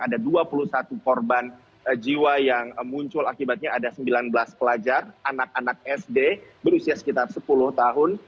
ada dua puluh satu korban jiwa yang muncul akibatnya ada sembilan belas pelajar anak anak sd berusia sekitar sepuluh tahun